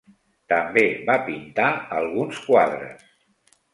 També va pintar alguns quadres.